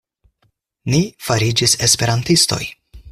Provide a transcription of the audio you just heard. Ni fariĝis esperantistoj.